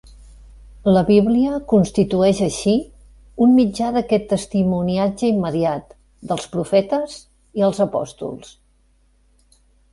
La Bíblia constitueix, així, un mitjà d'aquest testimoniatge immediat dels profetes i els apòstols.